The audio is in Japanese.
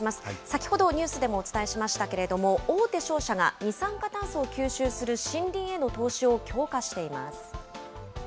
先ほどニュースでもお伝えしましたけれども、大手商社が二酸化炭素を吸収する森林への投資を強化しています。